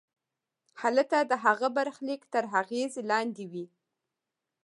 هلته د هغه برخلیک تر اغېز لاندې وي.